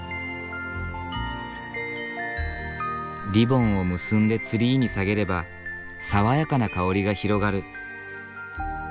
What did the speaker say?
リボンを結んでツリーに提げれば爽やかな香りが広がる。